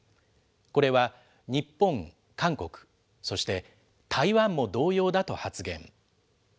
これは日本、韓国、そして台湾も同様だと発言。